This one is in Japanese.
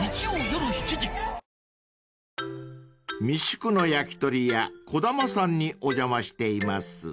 ［三宿の焼き鳥屋児玉さんにお邪魔しています］